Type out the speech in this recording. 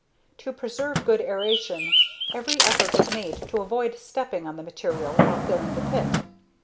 To preserve good aeration, every effort was made to avoid stepping on the material while filling the pit.